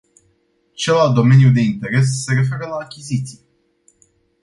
Celălalt domeniu de interes se referă la achiziții.